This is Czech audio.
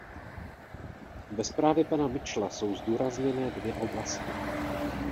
Ve zprávě pana Mitchella jsou zdůrazněné dvě oblasti.